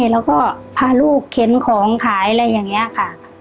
แล้วก็พาลูกเข็นของขายอะไรอย่างนี้ค่ะ